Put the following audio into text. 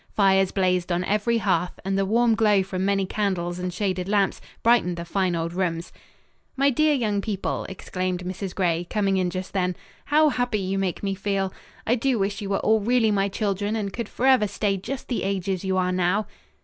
Fires blazed on every hearth and the warm glow from many candles and shaded lamps brightened the fine old rooms. "My dear young people," exclaimed Mrs. Gray, coming in just then, "how happy you make me feel! I do wish you were all really my children and could forever stay just the ages you are now."